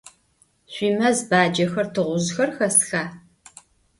Şüimez bacexer, tığuzjxer xesxa?